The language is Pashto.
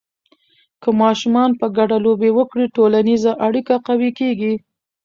که ماشومان په ګډه لوبې وکړي، ټولنیزه اړیکه قوي کېږي.